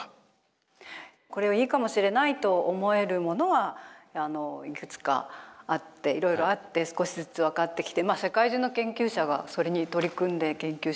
これはいいかもしれないと思えるものはいくつかあっていろいろあって少しずつ分かってきて世界中の研究者がそれに取り組んで研究しているわけですね。